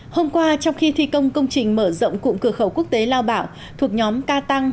hôm qua trong khi thi công công trình mở rộng cụm cửa khẩu quốc tế lao bảo thuộc nhóm ca tăng